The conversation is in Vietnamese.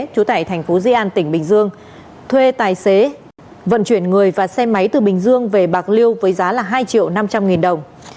chú tải thành phố di an tỉnh bình dương thuê tài xế vận chuyển người và xe máy từ bình dương về bạc liêu với giá hai triệu năm trăm linh nghìn đồng